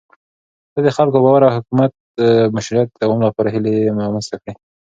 ده د خلکو باور او د حکومت مشروعيت د دوام لپاره هيلې رامنځته کړې.